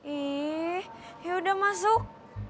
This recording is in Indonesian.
ih yaudah masuk